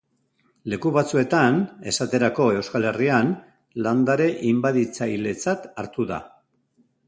Leku batzuetan, esaterako Euskal Herrian, landare inbaditzailetzat hartu da.